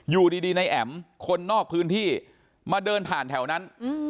อยู่ดีในแอ๋มคนนอกพื้นที่มาเดินผ่านแถวนั้น